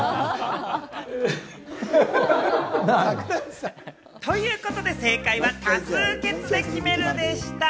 正解！ということで、正解は多数決で決めるでした。